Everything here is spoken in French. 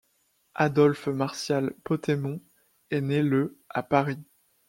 Adolphe Martial Potémont est né le à Paris.